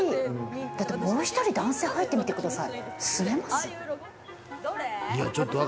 だって、もう１人、男性入ってみてください。